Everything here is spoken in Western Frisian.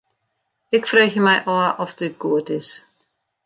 Ik freegje my ôf oft dit goed is.